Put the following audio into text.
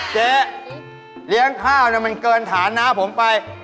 เจ๊เลี้ยงข้าวมันเกินฐานนะผมไป